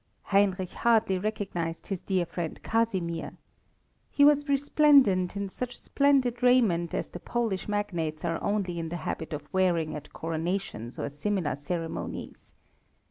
Heinrich hardly recognized his dear friend Casimir. He was resplendent in such splendid raiment as the Polish magnates are only in the habit of wearing at coronations or similar ceremonies.